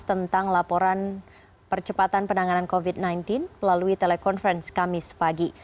tentang laporan percepatan penanganan covid sembilan belas melalui telekonferensi kamis pagi